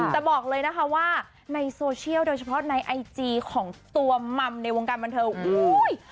แต่บอกเลยนะคะว่าในโซเชียลโดยเฉพาะในไอจีของตัวมัมในวงการบันเทิงอุ้ย